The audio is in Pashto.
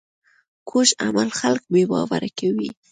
کوږ عمل خلک بې باوره کوي